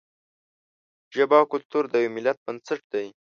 ژبه او کلتور د یوه ملت بنسټ دی.